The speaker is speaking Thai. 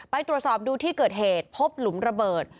ไปตรวจสอบดูที่เกิดเหตุพบหลุมระเบิด